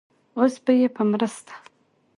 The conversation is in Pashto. اوس به يې په مرسته